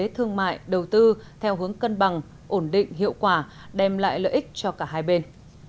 thương mại đầu tư theo hướng cân bằng ổn định hiệu quả đem lại lợi ích cho cả hai bên